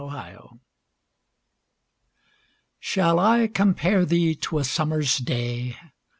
XVIII Shall I compare thee to a summer's day?